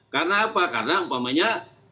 karena apa karena umpamanya